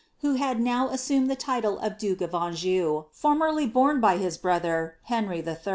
who had now aseumed the liile of dukt> of Anjou, formerly borne by hia brother, Henry 111.